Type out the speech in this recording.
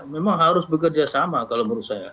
memang harus bekerja sama kalau menurut saya